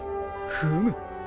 フム。